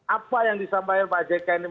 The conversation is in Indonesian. apa yang disampaikan pak jk ini